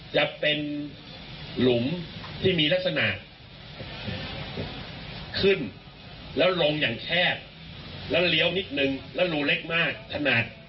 จะเป็นหลุมที่มีลักษณะขึ้นแล้วลงอย่างแคบแล้วเลี้ยวนิดนึงแล้วรูเล็กมากขนาด